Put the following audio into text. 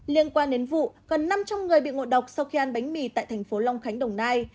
liên quan đến vụ gần năm trăm linh người bị ngồi độc sau khi ăn bánh mì tại tp long khánh đồng nai